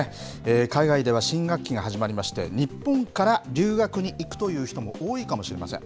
海外では新学期が始まりまして、日本から留学に行くという人も多いかもしれません。